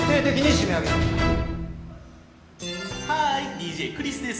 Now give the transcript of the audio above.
ＤＪクリスです。